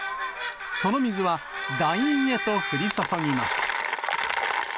その水は、団員へと降り注ぎます。